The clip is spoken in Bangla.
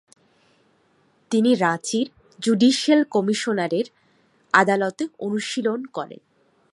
তিনি রাঁচির জুডিসিয়াল কমিশনারের আদালতে অনুশীলন করেন।